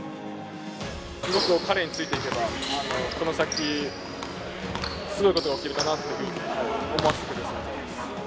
彼についていけば、この先、すごいことが起きるかなというふうに思わせてくれる存在です。